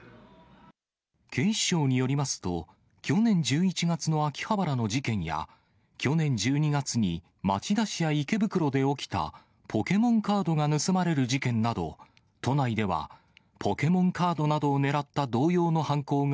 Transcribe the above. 警視庁によりますと、去年１１月の秋葉原の事件や、去年１２月に町田市や池袋で起きたポケモンカードが盗まれる事件など、都内ではポケモンカードなどを狙った同様の犯行が、